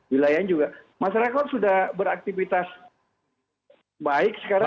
masyarakat sudah beraktivitas baik sekarang